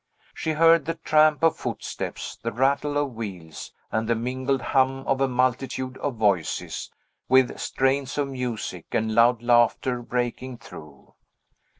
She heard the tramp of footsteps, the rattle of wheels, and the mingled hum of a multitude of voices, with strains of music and loud laughter breaking through.